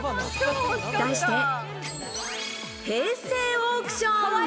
題して、平成オークション！